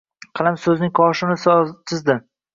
Qalam so’zning soyasini chizadi.